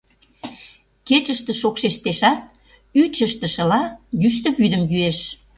Кечыште шокшештешат, ӱчӧ ыштышыла, йӱштӧ вӱдым йӱэш.